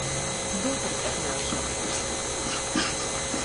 — Добре, княже.